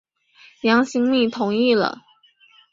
杨行密同意了。